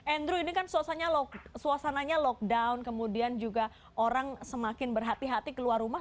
andrew ini kan suasananya lockdown kemudian juga orang semakin berhati hati keluar rumah